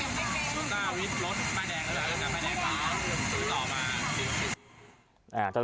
พี่ต่อมา